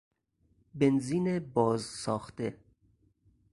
بنزین بازساخته